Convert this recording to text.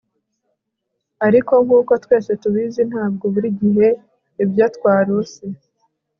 ariko nkuko twese tubizi, ntabwo buri gihe ibyo twarose